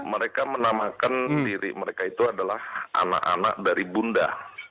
mereka menamakan diri mereka itu adalah anak anak dari bunda